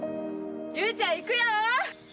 雄ちゃん行くよ！